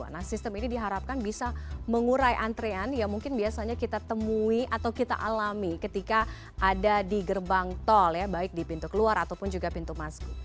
nah sistem ini diharapkan bisa mengurai antrean yang mungkin biasanya kita temui atau kita alami ketika ada di gerbang tol ya baik di pintu keluar ataupun juga pintu masuk